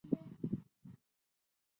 伊犁的葛逻禄部即臣服于西辽王朝。